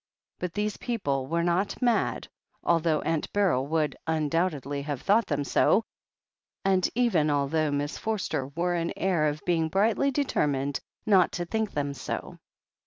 But these people were not mad, although Aunt Beryl would imdoubtedly have thought them so, and even although Miss Forster wore an air of being brightly determined not to think them so.